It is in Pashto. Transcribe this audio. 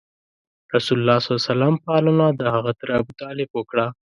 رسول الله ﷺ پالنه دهغه تره ابو طالب وکړه.